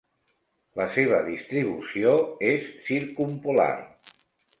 La seva distribució és circumpolar.